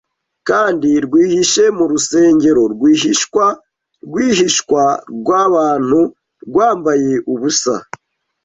Kandi rwihishe mu rusengero rwihishwa rwihishwa rwabantu rwambaye ubusa